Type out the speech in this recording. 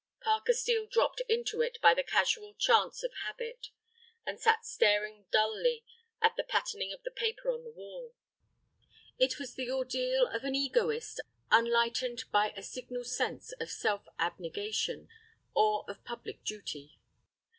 Parker Steel dropped into it by the casual chance of habit, and sat staring dully at the patterning of the paper on the wall. It was the ordeal of an egoist unlightened by a signal sense of self abnegation or of public duty.